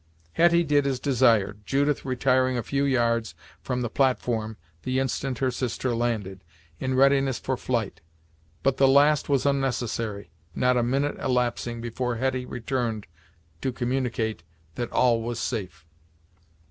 Hetty did as desired, Judith retiring a few yards from the platform the instant her sister landed, in readiness for flight. But the last was unnecessary, not a minute elapsing before Hetty returned to communicate that all was safe.